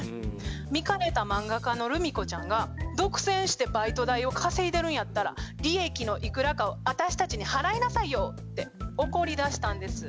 見かねた漫画家のルミコちゃんが「独占してバイト代を稼いでるんやったら利益のいくらか私たちに払いなさいよ」って怒りだしたんです。